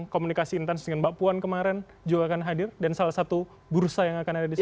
komunikasi intens dengan mbak puan kemarin juga akan hadir dan salah satu bursa yang akan ada di sana